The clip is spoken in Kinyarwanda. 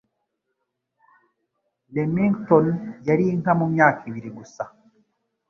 Remington yari inka mumyaka ibiri gusa.